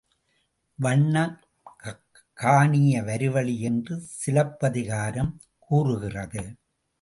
வண்ணம் காணிய வருவழி என்று சிலப்பதிகாரம் கூறுகிறது.